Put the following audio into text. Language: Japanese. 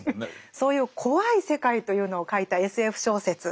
そういう怖い世界というのを書いたＳＦ小説